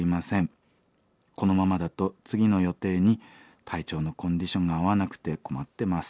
このままだと次の予定に体調のコンディションが合わなくて困ってます」。